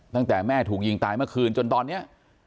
ตั้งแต่แม่ถูกยิงตายเมื่อคืนจนตอนนี้